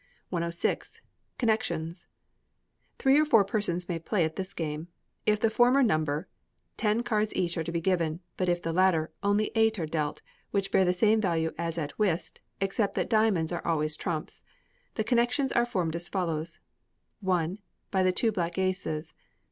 106. Connexions. Three or four persons may play at this game. If the former number, ten cards each are to be given; but if the latter, only eight are dealt, which bear the same value as at whist, except that diamonds are always trumps. The connexions are formed as follows: i. By the two black aces.